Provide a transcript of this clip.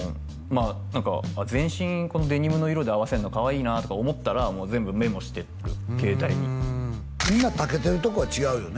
あ何か全身デニムの色で合わせんのカワイイなとか思ったらもう全部メモしてる携帯にみんなたけてるとこが違うよね